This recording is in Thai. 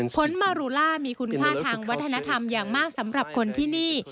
ผลมารูล่ามีคุณค่าทางวัฒนธรรมอย่างมากสำหรับคนที่นี่